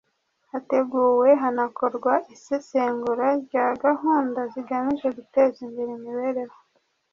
hateguwe hanakorwa isesengura rya gahunda zigamije guteza imbere imibereho